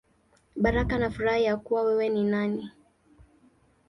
Baraka na Furaha Ya Kuwa Wewe Ni Nani.